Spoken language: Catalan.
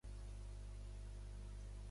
No Place ha destacat pel seu nom inusual.